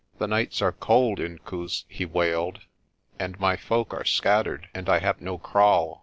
"The nights are cold, Inkoos," he wailed, "and my folk are scattered, and I have no kraal.